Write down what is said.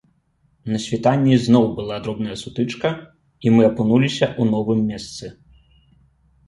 На світанні зноў была дробная сутычка, і мы апынуліся ў новым месцы.